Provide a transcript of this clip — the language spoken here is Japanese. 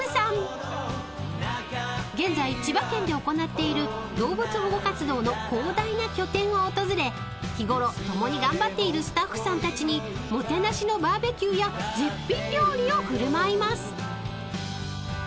［現在千葉県で行っている動物保護活動の広大な拠点を訪れ日ごろ共に頑張っているスタッフさんたちにもてなしのバーベキューや絶品料理を振る舞います］